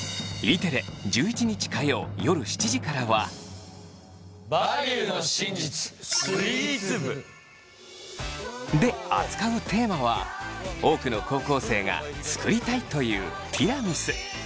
テレ１１日火曜夜７時からは。で扱うテーマは多くの高校生が作りたいというティラミス。